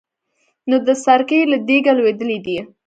نو د سرکې له دېګه لوېدلی دی.